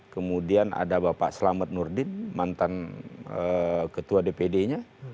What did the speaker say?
kemudian ada bapak selamat nurdin mantan ketua dpd nya